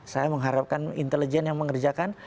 saya mengharapkan intelijen yang mengerjakan